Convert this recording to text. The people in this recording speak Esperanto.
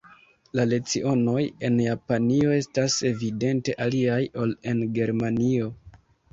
La lecionoj en Japanio estas evidente aliaj ol en Germanio.